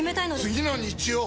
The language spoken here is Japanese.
次の日曜！